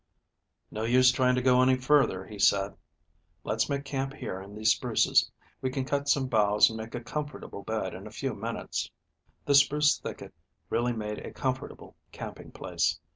"No use trying to go any farther," he said. "Let's make camp here in these spruces. We can cut some boughs and make a comfortable bed in a few minutes." The spruce thicket really made a comfortable camping place.